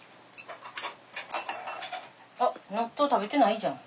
あっ納豆食べてないじゃん。